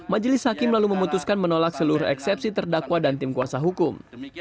majelis hakim lalu memutuskan menolak seluruh eksepsi terdakwa dan tim kuasa hukum